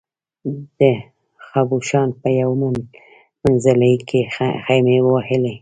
د خبوشان په یو منزلي کې خېمې ووهلې.